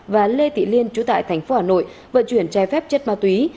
và lê thị liên trú tại thành phố hà nội vận chuyển trái phép chất ma túy